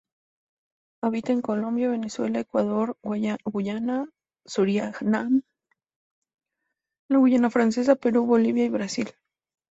Habita en Colombia, Venezuela, Ecuador, Guyana, Surinam, la Guayana francesa, Perú, Bolivia y Brasil.